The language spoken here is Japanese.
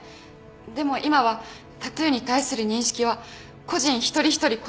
でも今はタトゥーに対する認識は個人一人一人異なると思います。